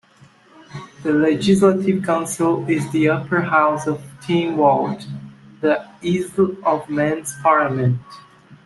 The Legislative Council is the Upper House of Tynwald, the Isle of Man's parliament.